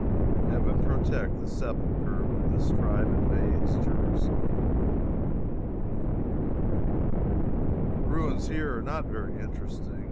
Heaven protect the Sepulchre when this tribe invades Jerusalem! The ruins here are not very interesting.